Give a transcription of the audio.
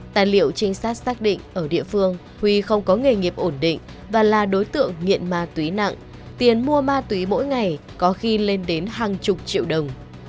tài liệu trinh sát xác định ở địa phương huy không có nghề nghiệp ổn định và là đối tượng nghiện ma túy nặng tiền mua ma túy mỗi ngày có khi lên đến hàng chục triệu đồng